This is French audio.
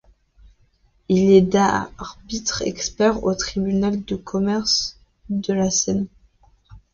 Il est arbitre expert au tribunal de commerce de la Seine.